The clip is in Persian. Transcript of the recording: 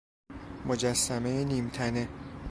مجسمه نیم تنه